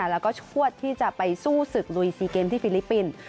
แล้วก็ชวดที่จะไปสู้ศึกลุย๔เกมที่ฟิลิปปินส์